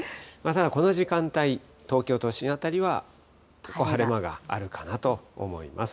ただ、この時間帯、東京都心辺りは晴れ間があるかなと思います。